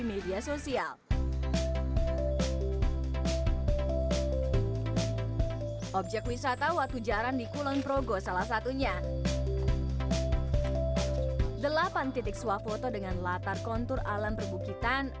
meski tergolong ekstrim ayunan tali dari sling baja dengan tinggi delapan meter ini aman digunakan